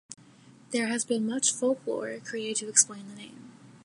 There has been much folklore created to explain the name.